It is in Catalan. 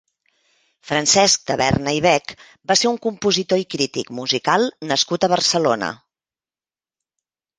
Francesc Taverna i Bech va ser un compositor i crític musical nascut a Barcelona.